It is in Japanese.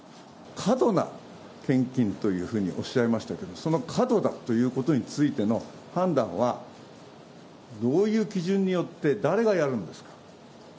過度な献金というふうにおっしゃいましたけど、その過度だということについての判断は、どういう基準によって、誰がやるんですか。